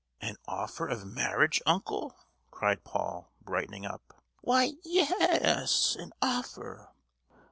"An offer of marriage, uncle?" cried Paul, brightening up. "Why, ye—yes! an offer.